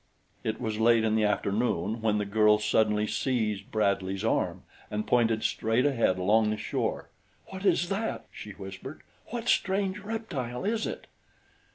It was late in the afternoon when the girl suddenly seized Bradley's arm and pointed straight ahead along the shore. "What is that?" she whispered. "What strange reptile is it?"